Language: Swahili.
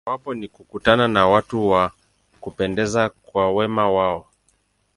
Mojawapo ni kukutana na watu wa kupendeza kwa wema wao.